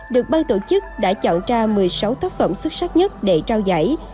được ban tổ chức đã chọn ra một mươi sáu tác phẩm xuất sắc nhất để trao giải